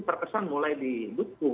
terkesan mulai dibutuh